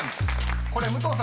［これ武藤さん